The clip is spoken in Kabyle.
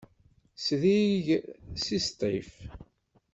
Srid seg Sṭif.